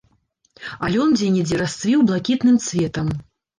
А лён дзе-нідзе расцвіў блакітным цветам.